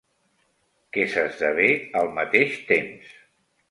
Que s'esdevé al mateix temps.